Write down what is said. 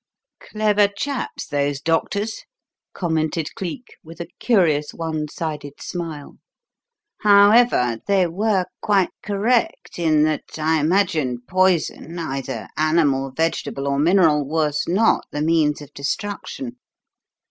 "Clever chaps, those doctors," commented Cleek with a curious one sided smile. "However, they were quite correct in that, I imagine, poison, either animal, vegetable, or mineral, was not the means of destruction.